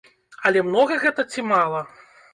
Але многа гэта ці мала?